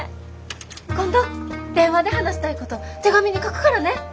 今度電話で話したいこと手紙に書くからね。